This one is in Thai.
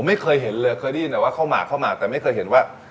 ไม่เคยเห็นเลยเคยได้ยินแต่ว่าข้าวหมากเข้ามาแต่ไม่เคยเห็นว่า